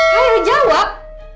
saya yang jawab